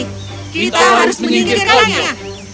kita harus menyingkirkannya